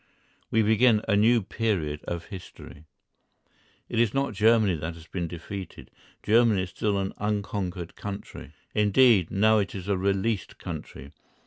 We begin a new period of history. It is not Germany that has been defeated; Germany is still an unconquered country. Indeed, now it is a released country.